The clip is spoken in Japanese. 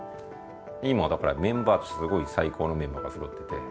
今だからメンバーすごい最高のメンバーがそろってて。